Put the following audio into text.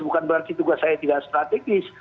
bukan berarti tugas saya tidak strategis